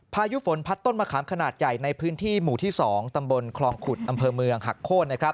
พายุฝนพัดต้นมะขามขนาดใหญ่ในพื้นที่หมู่ที่๒ตำบลคลองขุดอำเภอเมืองหักโค้น